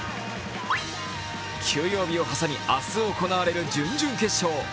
休養日を挟み明日行われる準々決勝。